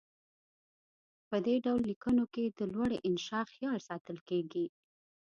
په دې ډول لیکنو کې د لوړې انشاء خیال ساتل کیږي.